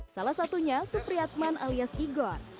salah satunya supriatman alias igor